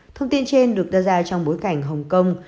thông tin trên được đưa ra trong bối cảnh hồng kông